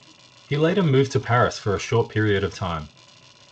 He later moved to Paris for a short period of time.